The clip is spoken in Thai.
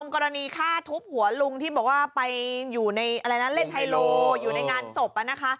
กรณีฆ่าทุบหัวลุงที่บอกว่าไปอยู่ในอะไรนะเล่นไฮโลอยู่ในงานศพ